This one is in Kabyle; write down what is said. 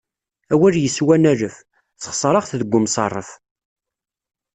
Awal yeswan alef, sexseṛeɣ-t deg umṣeṛṛef.